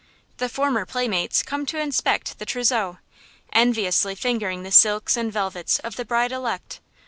The former playmates come to inspect the trousseau, enviously fingering the silks and velvets of the bride elect.